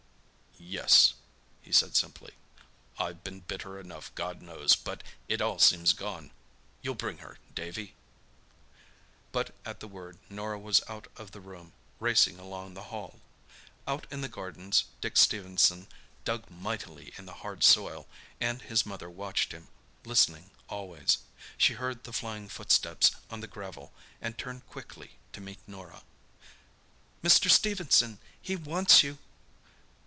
"Yes," he said simply. "I've been bitter enough God knows, but it all seems gone. You'll bring her, Davy?" But at the word Norah was out of the room, racing along the hall. Out in the gardens Dick Stephenson dug mightily in the hard soil, and his mother watched him, listening always. She heard the flying footsteps on the gravel and turned quickly to meet Norah. "Mr. Stephenson, he wants you!"